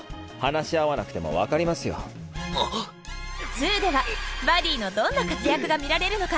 「２」ではバディのどんな活躍が見られるのか。